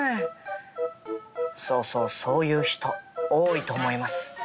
そうそうそういう人多いと思います。